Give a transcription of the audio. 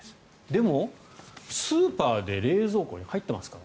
でも、スーパーで冷蔵庫に入ってますか？